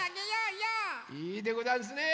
いいでござんすね！